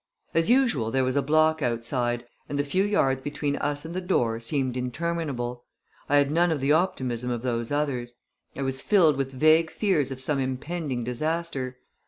As usual there was a block outside, and the few yards between us and the door seemed interminable. I had none of the optimism of those others. I was filled with vague fears of some impending disaster.